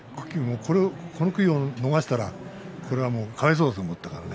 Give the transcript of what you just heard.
この機会を逃したら、これはかわいそうだと思って。